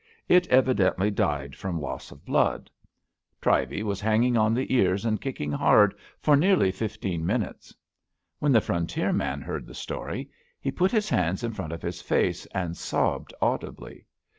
It evidently died from loss of blood. Trivey was hanging on the ears and kicking hard for nearly fifteen min utes. When the frontier man heard the story he put his hands in front of his face and sobbed audi bly.